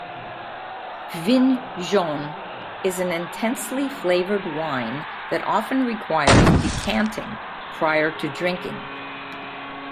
Vin jaune is an intensely flavored wine that often requires decanting prior to drinking.